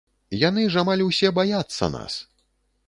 Яны ж амаль усе баяцца нас!